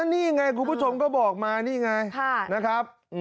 นี่ไงคุณผู้ชมก็บอกมา